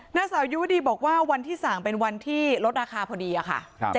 นางสาวยุวดีบอกว่าวันที่สั่งเป็นวันที่ลดราคาพอดีค่ะ